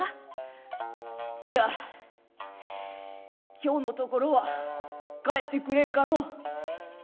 「いや今日のところは帰ってくれんかの」。